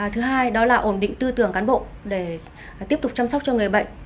thứ hai đó là ổn định tư tưởng cán bộ để tiếp tục chăm sóc cho người bệnh